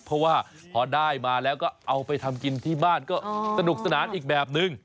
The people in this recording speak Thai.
เพราะว่าพอได้มาแล้วก็เอาไปทำกินที่บ้านก็สนุกสนานอีกแบบนึง